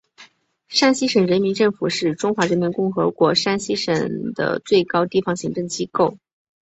山西省人民政府是中华人民共和国山西省的最高地方行政机构。